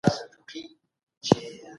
ژوند د صداقت